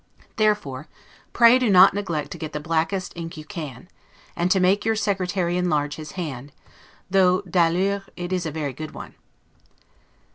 Therefore, pray do not neglect to get the blackest ink you can; and to make your secretary enlarge his hand, though 'd'ailleurs' it is a very good one.